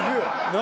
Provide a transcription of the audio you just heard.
何？